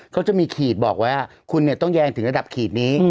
เขาจะมีขีดบอกว่าคุณต้องแยงถึงระดับขีดนี้